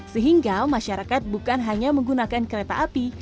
sehingga masyarakat bukan hanya menggunakan kereta api